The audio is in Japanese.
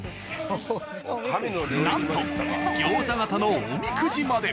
なんと餃子型のおみくじまで。